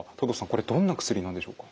これどんな薬なんでしょうか？